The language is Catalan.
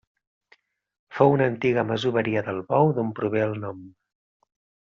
Fou una antiga masoveria del Bou d'on prové el nom.